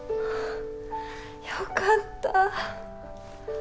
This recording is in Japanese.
ああ。よかった